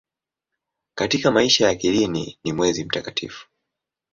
Katika maisha ya kidini ni mwezi mtakatifu.